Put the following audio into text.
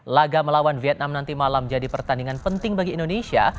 laga melawan vietnam nanti malam jadi pertandingan penting bagi indonesia